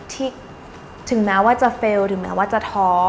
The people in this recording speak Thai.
ถึงแม้ว่าจะเฟลล์ถึงแม้ว่าจะท้อ